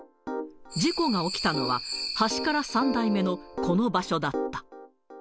事故が起きたのは、端から３台目のこの場所だった。